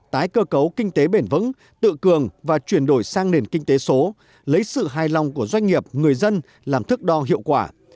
tái cơ cấu kinh tế bền vững tự cường và chuyển đổi sang nền kinh tế số lấy sự hài lòng của doanh nghiệp người dân làm thức đo hiệu quả